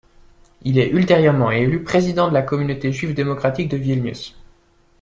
Il est ultérieurement élu président de la communauté juive démocratique de Vilnius.